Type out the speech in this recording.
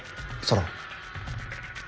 ソロン。